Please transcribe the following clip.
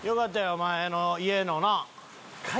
お前の家のな。